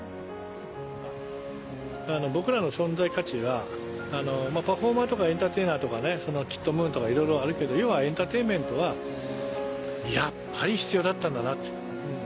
僕らの存在価値はパフォーマーとかエンターテイナーとかキットムーンとかいろいろあるけど要はエンターテインメントはやっぱり必要だったんだなって。